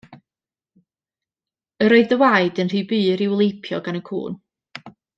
Yr oedd dy waed yn rhy bur i'w leipio gan y cŵn.